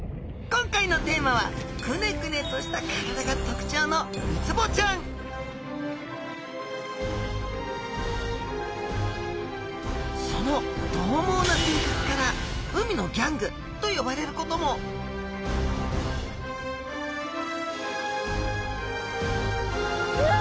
今回のテーマはくねくねとした体が特徴のウツボちゃんそのどう猛な性格から海のギャングと呼ばれることもうわ！